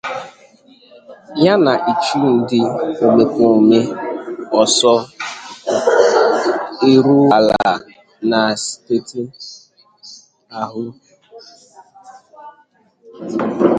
ya na ịchụ ndị omekoome ọsọ ụkwụ eru ala na steeti ahụ.